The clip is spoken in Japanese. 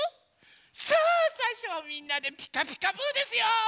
さあさいしょはみんなで「ピカピカブ！」ですよ。